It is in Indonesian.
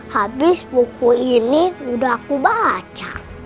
habis buku ini udah aku baca